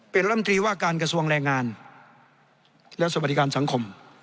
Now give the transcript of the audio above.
เป็นลำตรีว่าการกระทรวงแรงงานและสวัสดิการสังคม